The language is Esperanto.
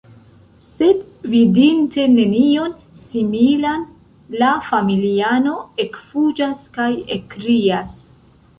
Sed, vidinte nenion similan, la familiano ekfuĝas kaj ekkrias.